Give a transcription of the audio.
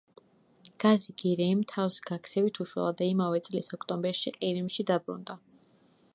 გაზი გირეიმ თავს გაქცევით უშველა და იმავე წლის ოქტომბერში ყირიმში დაბრუნდა.